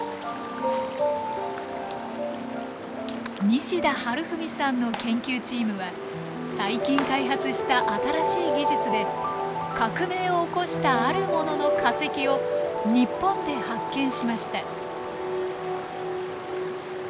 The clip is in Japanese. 西田治文さんの研究チームは最近開発した新しい技術で革命を起こしたあるものの化石を日本で発見しました。